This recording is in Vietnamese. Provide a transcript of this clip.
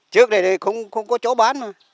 trước đây thì không có chỗ bán mà